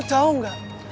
lo tau gak